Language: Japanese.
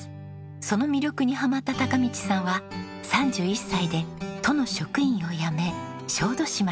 その魅力にハマった貴道さんは３１歳で都の職員を辞め小豆島にＵターン。